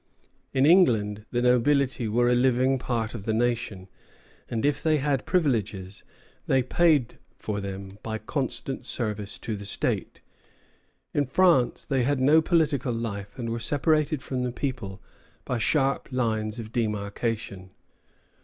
In England, the nobility were a living part of the nation, and if they had privileges, they paid for them by constant service to the state; in France, they had no political life, and were separated from the people by sharp lines of demarcation.